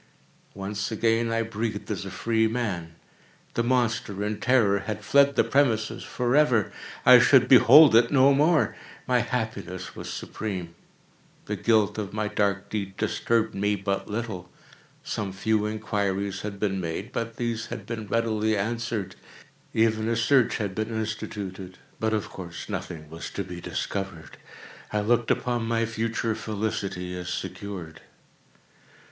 Once again I breathed as a freeman. The monster, in terror, had fled the premises forever! I should behold it no more! My happiness was supreme! The guilt of my dark deed disturbed me but little. Some few inquiries had been made, but these had been readily answered. Even a search had been instituted—but of course nothing was to be discovered. I looked upon my future felicity as secured.